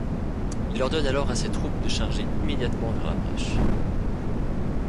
Il ordonne alors à ses troupes de charger immédiatement vers la brèche.